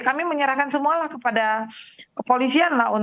kami menyerahkan semua lah kepada kepolisian lah